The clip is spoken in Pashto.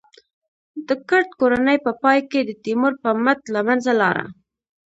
د کرت کورنۍ په پای کې د تیمور په مټ له منځه لاړه.